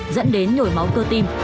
dẫn đến nhồi máu cơ tim